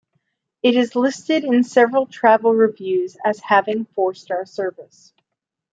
It is listed in several travel reviews as having "Four Star" service.